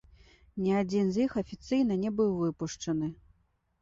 Ні адзін з іх афіцыйна не быў выпушчаны.